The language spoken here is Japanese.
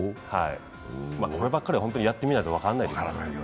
こればっかりは、やってみないと分からないです。